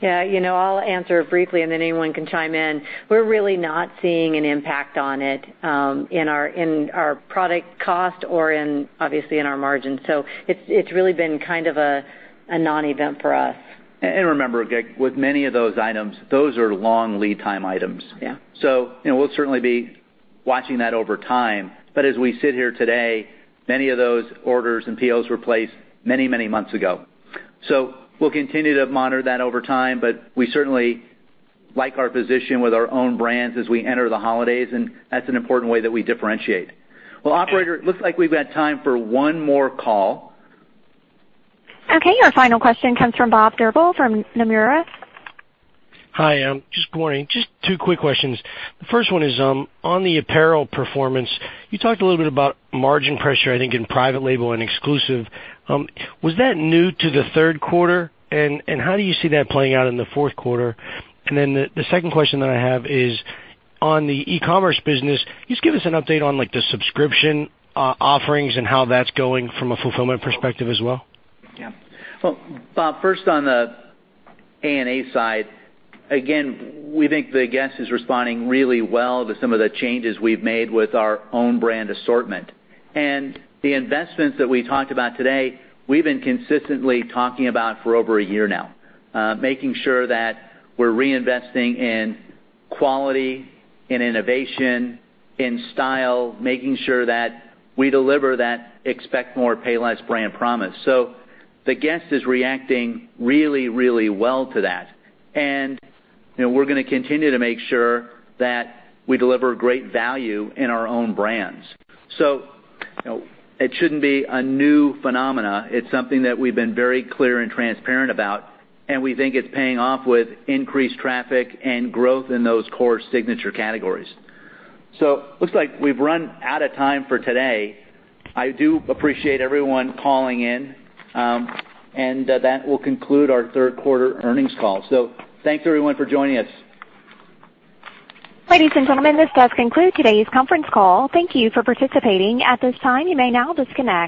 Speaker 4: Yeah. I'll answer briefly, and then anyone can chime in. We're really not seeing an impact on it in our product cost or obviously in our margin. It's really been kind of a non-event for us.
Speaker 3: remember, Greg, with many of those items, those are long lead time items.
Speaker 4: Yeah.
Speaker 3: We'll certainly be watching that over time. As we sit here today, many of those orders and POs were placed many months ago. We'll continue to monitor that over time, but we certainly like our position with our own brands as we enter the holidays, and that's an important way that we differentiate. Well, operator, it looks like we've got time for one more call.
Speaker 1: Okay. Your final question comes from Bob Drbul from Nomura.
Speaker 11: Hi. Just wondering, just two quick questions. The first one is on the apparel performance. You talked a little bit about margin pressure, I think, in private label and exclusive. Was that new to the third quarter? How do you see that playing out in the fourth quarter? The second question that I have is on the e-commerce business. Can you give us an update on the subscription offerings and how that's going from a fulfillment perspective as well?
Speaker 3: Yeah. Well, Bob, first on the A&A side, again, we think the guest is responding really well to some of the changes we've made with our own brand assortment. The investments that we talked about today, we've been consistently talking about for over a year now. Making sure that we're reinvesting in quality, in innovation, in style, making sure that we deliver that Expect More. Pay Less. brand promise. The guest is reacting really well to that. We're going to continue to make sure that we deliver great value in our own brands. It shouldn't be a new phenomena. It's something that we've been very clear and transparent about, and we think it's paying off with increased traffic and growth in those core signature categories. Looks like we've run out of time for today. I do appreciate everyone calling in. That will conclude our third quarter earnings call. Thanks everyone for joining us.
Speaker 1: Ladies and gentlemen, this does conclude today's conference call. Thank you for participating. At this time, you may now disconnect.